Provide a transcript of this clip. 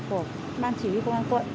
của ban chỉ huy công an quận